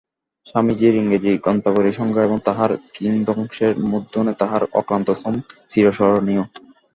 স্বামীজীর ইংরেজী গ্রন্থাবলী সংগ্রহে এবং তাহার কিয়দংশের মুদ্রণে তাঁহার অক্লান্ত শ্রম চিরস্মরণীয়।